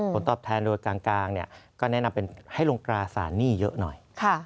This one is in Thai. ผลตอบแทนโดยกลางก็แนะนำเป็นให้ลงตราสารหนี้เยอะหน่อย